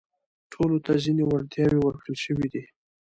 ټولو ته ځينې وړتياوې ورکړل شوي دي.